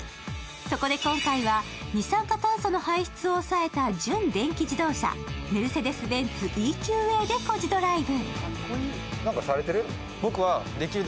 そこで今回は二酸化炭素の排出を抑えた純電気自動車メルセデス・ベンツＥＱＡで「コジドライブ」。